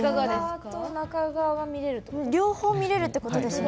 両方見れるってことですね。